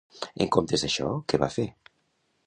En comptes d'això, què va fer?